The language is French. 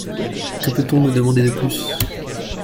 Que peut-on me demander de plus ?